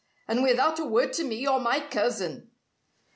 And without a word to me or my cousin!"